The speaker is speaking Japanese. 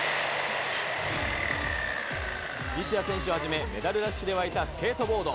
西矢選手をはじめ、メダルラッシュで沸いたスケートボード。